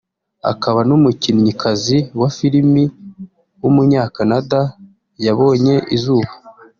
akaba n’umukinnyikazi wa film w’umunya-Canada yabonye izuba